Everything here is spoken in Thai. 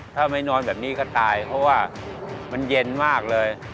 ถ้าไม่นอนแบบนี้ก็ตายเพราะว่ามันเย็นมากเลย